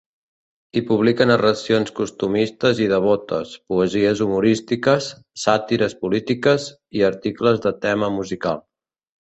Hi publica narracions costumistes i devotes, poesies humorístiques, sàtires polítiques i articles de tema musical.